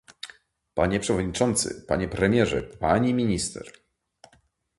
Panie przewodniczący, panie premierze, pani minister